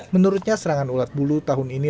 menurutnya serangan ulat bulu tahun ini